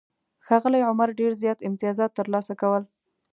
ښاغلي عمر ډېر زیات امتیازات ترلاسه کول.